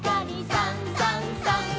「さんさんさん」